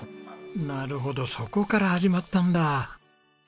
なるほどそこから始まったんだ。